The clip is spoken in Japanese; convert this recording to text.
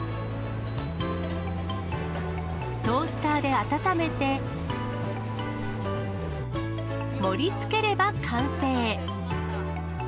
トースターで温めて、盛りつければ完成。